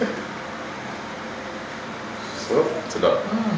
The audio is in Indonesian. ini dia kaki kecil